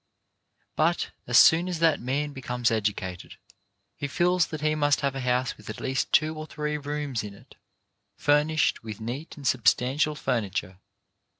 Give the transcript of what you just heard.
But, as soon as that man becomes educated, he feels that he must have a house with at least two or three rooms in it, furnished with neat and sub stantial furniture.